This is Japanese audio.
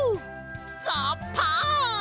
ザッパン！